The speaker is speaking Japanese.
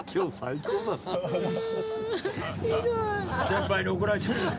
先輩に怒られちゃう。